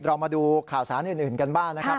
เรามาดูข่าวสารอื่นกันบ้างนะครับ